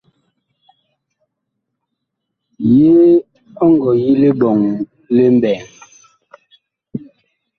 Yee ɔ ngɔ yi liɓɔŋ li mɓɛɛŋ ?